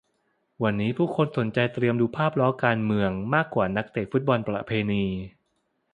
วันนี้ผู้คนสนใจเตรียมดูภาพล้อการเมืองมากกว่านักเตะฟุตบอลประเพณี